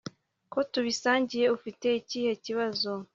ko tubisangiye ufite ikihe kibazo